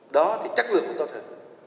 đó thì chất lượng của chúng ta thôi